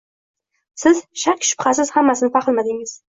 Siz, shak-shubhasiz, hammasini fahmladingiz